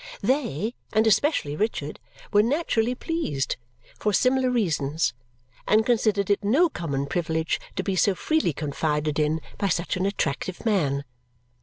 They (and especially Richard) were naturally pleased, for similar reasons, and considered it no common privilege to be so freely confided in by such an attractive man.